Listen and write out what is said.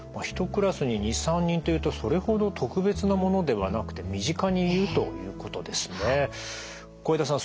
１クラスに２３人というとそれほど特別なものではなくて身近にいるということですね。